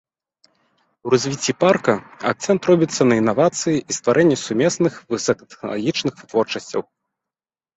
У развіцці парка акцэнт робіцца на інавацыі і стварэнне сумесных высокатэхналагічных вытворчасцяў.